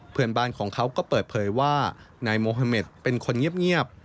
เพื่อนบ้านของเขาก็เปิดเผยว่านายโมฮาเมดเป็นคนเงียบ